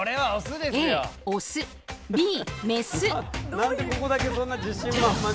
何でここだけそんな自信満々で。